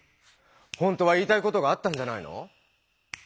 ほんとは言いたいことがあったんじゃないの？